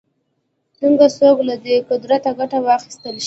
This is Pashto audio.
څنګه څوک له دې قدرته ګټه واخیستلای شي